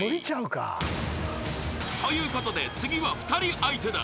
［ということで次は２人相手だ］